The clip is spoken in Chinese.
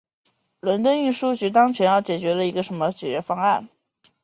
伦敦运输当局要求生产商更换电池及寻求可行的解决方案。